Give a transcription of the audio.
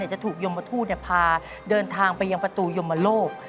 จะถูกยมทูตพาเดินทางไปยังประตูยมโลก